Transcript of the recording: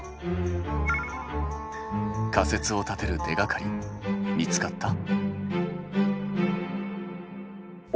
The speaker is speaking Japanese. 仮説を立てる手がかり見つかった？